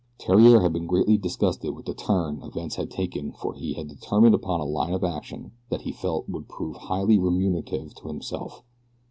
Theriere had been greatly disgusted with the turn events had taken for he had determined upon a line of action that he felt sure would prove highly remunerative to himself.